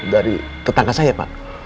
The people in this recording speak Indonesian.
dari tetangga saya pak